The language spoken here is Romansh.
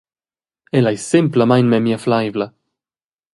Ella ei semplamein memia fleivla.